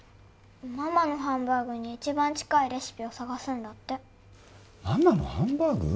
ママのハンバーグに一番近いレシピを探すんだってママのハンバーグ？